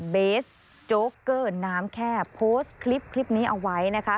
เบสโจ๊กเกอร์น้ำแคบโพสต์คลิปนี้เอาไว้นะคะ